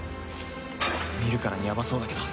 見るからにやばそうだけど。